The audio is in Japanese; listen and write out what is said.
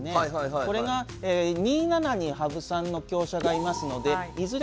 これが２七に羽生さんの香車がいますのでいずれ